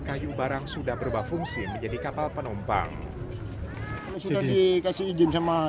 kayu barang sudah berubah fungsi menjadi kapal penumpang kalau sudah dikasih izin sama